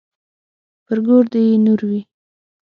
پر ګور دې يې نور وي.